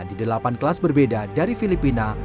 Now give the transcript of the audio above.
di delapan kelas berbeda dari filipina